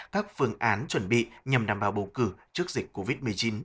các phương án chuẩn bị nhằm đảm bảo bầu cử trước dịch covid một mươi chín